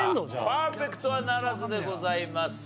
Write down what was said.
パーフェクトはならずでございます。